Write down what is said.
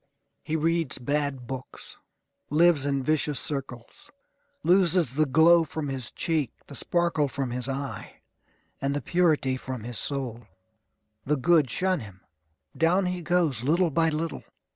He reads bad books. Lives in vicious circles. Loses the glow from his cheek, the sparkle from his eye, and the purity from his soul. The good shun him. Down he goes, little by little.